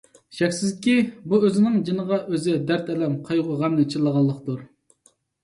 شەكسىزكى، بۇ ئۆزىنىڭ جېنىغا ئۆزى دەرد - ئەلەم، قايغۇ - غەمنى چىللىغانلىقتۇر.